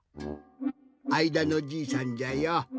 あいだのじいさんじゃよ。